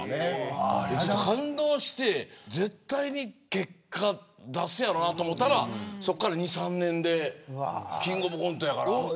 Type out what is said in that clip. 感動して絶対に結果を出すやろうなと思ったらそこから２、３年でキングオブコントやから。